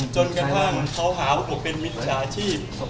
จนกระทั่งเขาหาว่าผมเป็นมิจฉาชีพ